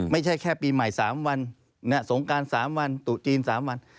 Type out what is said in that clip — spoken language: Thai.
ไม่ใช่แค่ปีใหม่๓วันสงการ๓วันตุจีน๓วัน